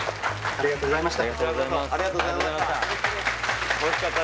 ありがとうございます